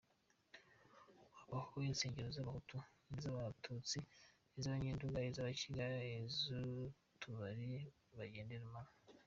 Habaho insengero z’abahutu, iz’abatutsi, iz’abanyenduga, iz’abakiga n’utubari bagendamo.’’